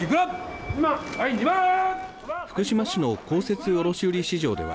福島市の公設卸売市場では